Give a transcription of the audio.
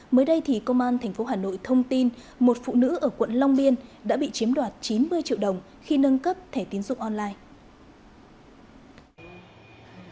mới đây thì công an tp hà nội thông tin một phụ nữ ở quận long biên đã bị chiếm đoạt chín mươi triệu đồng khi nâng cấp thẻ tiến dụng online